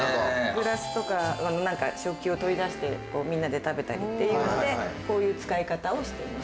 グラスとか食器を取り出してみんなで食べたりっていうのでこういう使い方をしています。